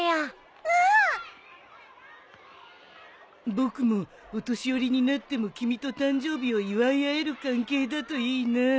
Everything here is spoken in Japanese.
僕もお年寄りになっても君と誕生日を祝い合える関係だといいな。